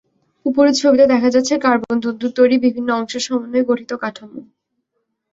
ওপরের ছবিতে দেখা যাচ্ছে কার্বন-তন্তুর তৈরি বিভিন্ন অংশের সমন্বয়ে গঠিত কাঠামো।